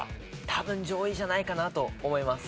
多分上位じゃないかなと思います。